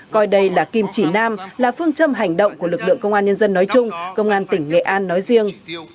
coi đây là kim chỉ nam là phương châm hành động của lực lượng công an nhân dân nói chung công an tỉnh nghệ an nói riêng